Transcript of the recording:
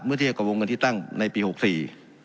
เทียบกับวงเงินที่ตั้งในปีหกสี่